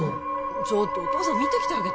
ちょっとお父さん見てきてあげて・